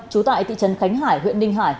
chú tại thị trấn khánh hải huyện ninh hải